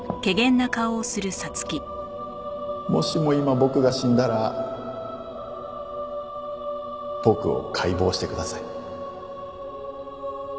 もしも今僕が死んだら僕を解剖してください。